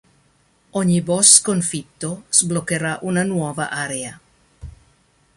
Ogni boss sconfitto, sbloccherà una nuova area.